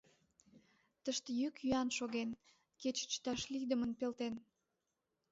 Тыште йӱк-йӱан шоген, кече чыташ лийдымын пелтен.